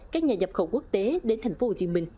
các nhà dập khẩu quốc tế đến thành phố hồ chí minh